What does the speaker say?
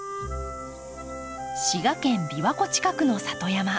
滋賀県琵琶湖の近くの里山。